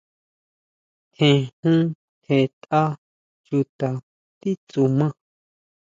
Tjen jun, tjen tʼa chuta titsuma.